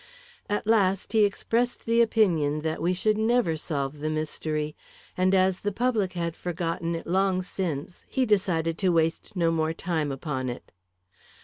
At last, he expressed the opinion that we should never solve the mystery; and as the public had forgotten it long since, he decided to waste no more time upon it.